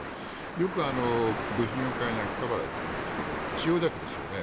よく部品を買いに秋葉原に行くんですが千代田区ですよね。